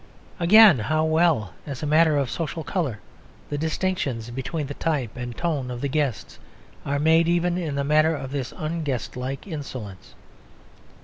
Again, how well, as a matter of social colour, the distinctions between the type and tone of the guests are made even in the matter of this unguestlike insolence.